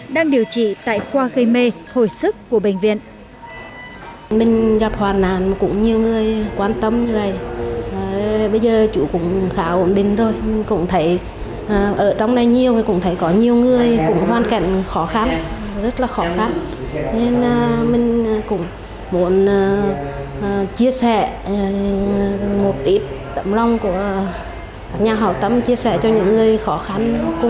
đang điều trị tại khoa gây mê hồi sức của bệnh nhân